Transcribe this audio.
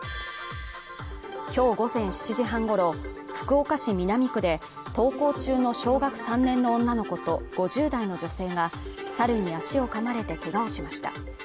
きょう午前７時半ごろ福岡市南区で登校中の小学３年の女の子と５０代の女性がサルに足をかまれてけがをしました